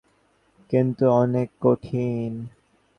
কিন্তু অনেক কঠিন।